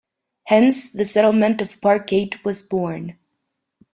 Hence the settlement of Parkgate was born.